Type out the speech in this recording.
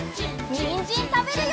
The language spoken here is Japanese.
にんじんたべるよ！